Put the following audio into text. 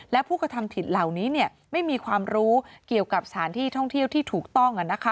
และผู้กระทำผิดเหล่านี้ไม่มีความรู้เกี่ยวกับสถานที่ท่องเที่ยวที่ถูกต้อง